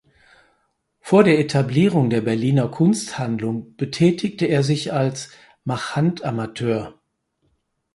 Vor der Etablierung der Berliner Kunsthandlung betätigte er sich als „marchand amateur“.